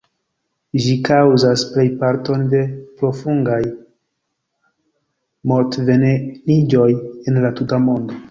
Ĝi kaŭzas plejparton de profungaj mort-veneniĝoj en la tuta mondo.